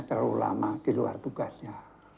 terlalu lama di luar tugasnya